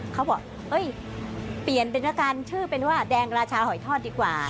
เขาบอกเอ้ยเปลี่ยนเป็นละกันชื่อเป็นว่าแดงราชาหอยทอดดีกว่า